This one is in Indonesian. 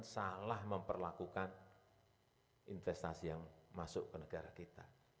salah memperlakukan investasi yang masuk ke negara kita